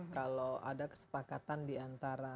kalau ada kesepakatan diantara